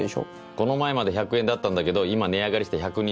この前まで１００円だったんだけど今値上がりして１２０円。